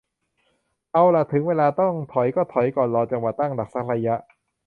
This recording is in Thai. เอาล่ะ ถึงเวลาต้องถอยก็ถอยก่อน รอจังหวะตั้งหลักสักระยะ